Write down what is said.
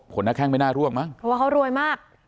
หน้าแข้งไม่น่าร่วงมั้งเพราะว่าเขารวยมาก